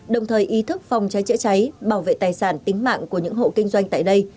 đồng thời ý thức phòng cháy chữa cháy bảo vệ tài sản tính mạng của những hộ kinh doanh tại đây